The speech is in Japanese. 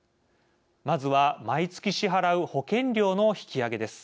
まずは毎月支払う保険料の引き上げです。